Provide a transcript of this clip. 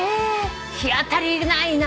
日当たりないな。